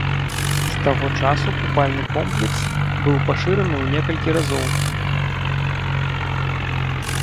З таго часу купальны комплекс быў пашыраны ў некалькі разоў.